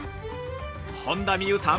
本田望結さん